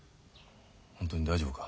本当に大丈夫か？